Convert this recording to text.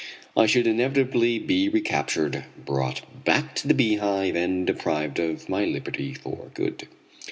I should inevitably be recaptured, brought back to the Beehive, and deprived of my liberty for good.